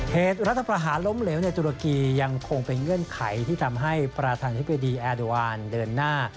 เหตุรัฐประหารล้มเหลวในตุรกียังคงเป็นเงื่อนไขที่ทำให้ประธานธิบดีแอดวานเดินหน้า